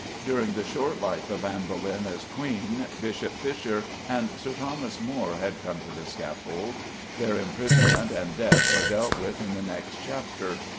During the short life of Anne Boleyn as Queen, Bishop Fisher and Sir Thomas More had come to the scaffold. Their imprisonment and death are dealt with in the next chapter.